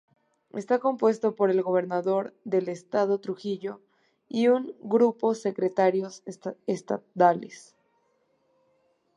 Está compuesto por el Gobernador del Estado Trujillo y un grupo Secretarios Estadales.